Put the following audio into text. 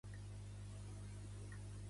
Pertany al moviment independentista el Cecilio?